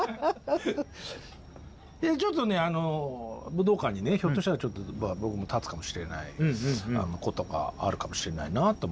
ちょっとね武道館にねひょっとしたら僕も立つかもしれないことがあるかもしれないなと思って。